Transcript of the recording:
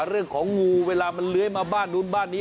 เรื่องของงูเวลามันเลื้อยมาบ้านนู้นบ้านนี้